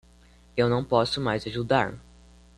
Eu não posso mais ajudar.